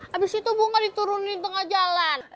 habis itu bunga diturunkan di tengah jalan